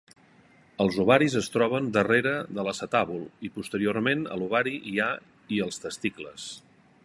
Els ovaris es troben darrere de l'acetàbul i posteriorment a l'ovari hi ha i els testicles.